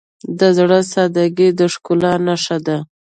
د زړه سادگی د ښکلا نښه ده.